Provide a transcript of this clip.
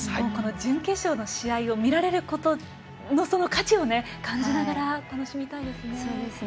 準決勝の試合を見られることの価値を感じながら楽しみたいですね。